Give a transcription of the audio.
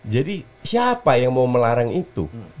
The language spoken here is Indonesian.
jadi siapa yang mau melarang itu